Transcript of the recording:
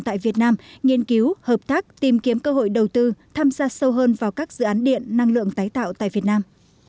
tại việt nam nghiên cứu hợp tác tìm kiếm cơ hội đầu tư tham gia sâu hơn vào các dự án điện năng lượng tái tạo tại việt nam